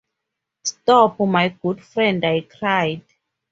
‘Stop, my good friend!’ I cried.